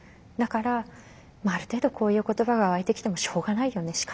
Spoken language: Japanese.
だから「ある程度こういう言葉がわいてきてもしょうがないよね。